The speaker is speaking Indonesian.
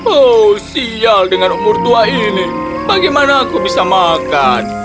oh sial dengan umur tua ini bagaimana aku bisa makan